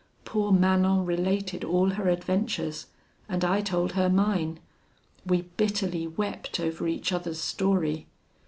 Poor Manon related all her adventures, and I told her mine: we bitterly wept over each other's story.